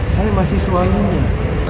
saya masih suaminya